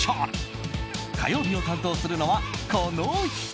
火曜日を担当するのは、この人。